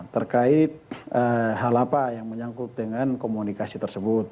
terkait hal apa yang menyangkut dengan komunikasi tersebut